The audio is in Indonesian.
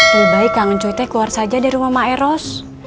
lebih baik kangen cuy teh keluar saja dari rumah maeros